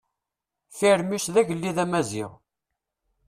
Firmus d agellid amaziɣ.